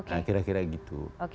nah kira kira gitu